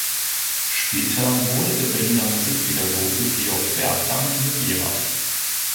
Später wurde der Berliner Musikpädagoge Georg Bertram ihr Lehrer.